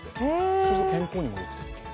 そうすると健康にもよいと。